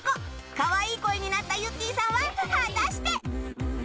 かわいい声になったゆってぃさんは果たして？